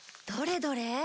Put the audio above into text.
どれどれ。